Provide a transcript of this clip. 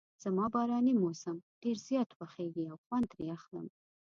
زما باراني موسم ډېر زیات خوښیږي او خوند ترې اخلم.